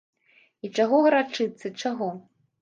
І чаго гарачыцца, чаго?